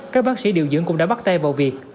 các bác sĩ điều dưỡng cũng đã bắt tay vào việc